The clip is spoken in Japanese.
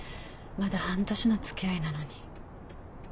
まだ半年の付き合いなのに。